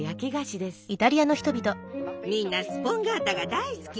みんなスポンガータが大好きよ。